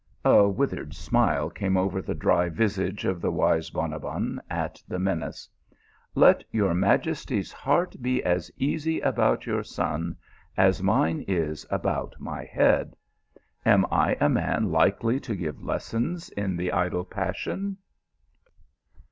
A withered smile came over the dry visage of the wise Bonabbon at the menace. " Let your majesty s heart be as easy about yorr son as mine is about my head. Am I a man likely to give lessons in the idle passion